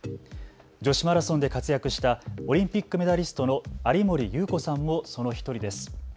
女子マラソンで活躍したオリンピックメダリストの有森裕子さんもその１人です。